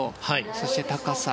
そして、高さ。